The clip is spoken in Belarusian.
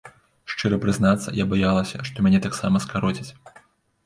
Шчыра прызнацца, я баялася, што мяне таксама скароцяць.